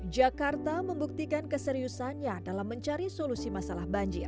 jakarta membuktikan keseriusannya dalam mencari solusi masalah banjir